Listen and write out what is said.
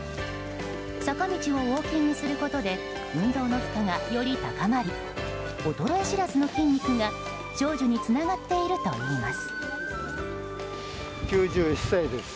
坂道をウォーキングすることで運動の負荷がより高まり衰え知らずの筋肉が長寿につながっているといいます。